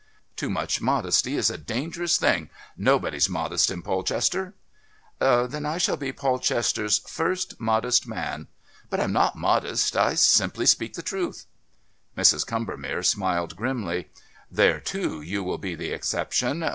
"Too much modesty is a dangerous thing. Nobody's modest in Polchester." "Then I shall be Polchester's first modest man. But I'm not modest. I simply speak the truth." Mrs. Combermere smiled grimly. "There, too, you will be the exception.